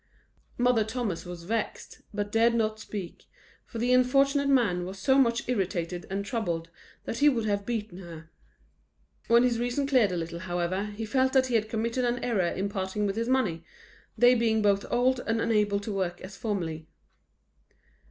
Mother Thomas was vexed, but dared not speak, for the unfortunate man was so much irritated and troubled that he would have beaten her. When his reason cleared a little, however, he felt that he had committed an error in parting with his money, they being both old and unable to work as formerly.